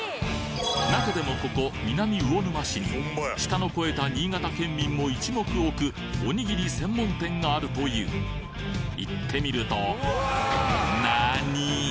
中でもここ南魚沼市に舌の肥えた新潟県民も一目置くおにぎり専門店があるという行ってみると何ぃ！？